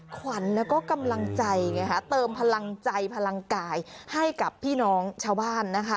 ขวัญกำลังใจเติมที่พันกายให้ของพี่น้องชาวบ้าน